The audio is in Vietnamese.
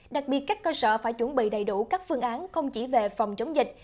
đặc biệt các cơ sở phải chuẩn bị đầy đủ các phương án không chỉ về phòng chống dịch